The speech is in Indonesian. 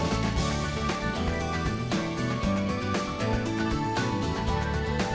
itu memang banyak perubahan ya